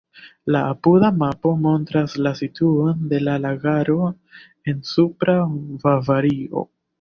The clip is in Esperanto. La apuda mapo montras la situon de la lagaro en Supra Bavario.